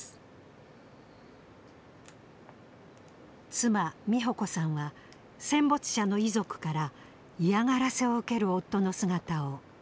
妻美保子さんは戦没者の遺族から嫌がらせを受ける夫の姿を目の当たりにしていました。